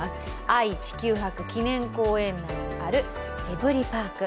愛・地球博記念公園内にあるジブリパーク。